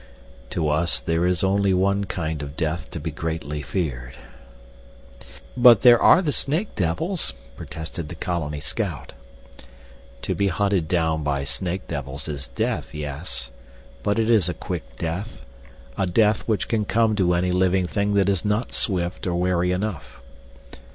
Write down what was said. "To us there is only one kind of death to be greatly feared." "But there are the snake devils " protested the colony scout. "To be hunted down by snake devils is death, yes. But it is a quick death, a death which can come to any living thing that is not swift or wary enough.